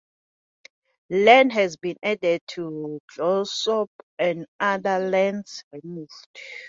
Land has been added to Glossop and other lands removed.